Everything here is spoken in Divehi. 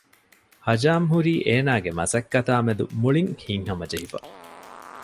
ހަޖާމް ހުރީ އޭނާގެ މަސައްކަތާ މެދު މުޅިން ހިތްހަމަ ޖެހިފަ